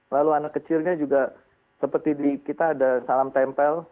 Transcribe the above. lalu anak kecilnya juga seperti di kita ada salam tempel